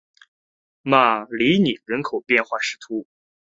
马里尼人口变化图示